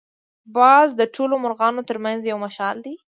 باز د ټولو مرغانو تر منځ یو مشال دی